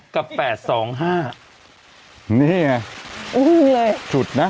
กับแปดสองห้านี้ไงอืมเลยชุดนะ